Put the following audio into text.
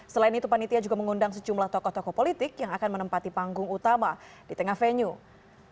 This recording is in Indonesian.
selain itu panitia juga mengundang sejumlah tokoh tokoh politik yang akan menempati panggung utama di tengah venue